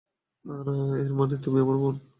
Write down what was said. আর এর মানে তুমি আমার বোন।